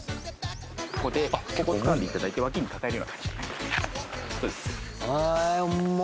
ここでここをつかんでいただいて脇に抱えるような感じそうです